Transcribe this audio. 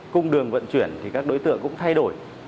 cung đường vận chuyển thì các đối tượng cũng thay đổi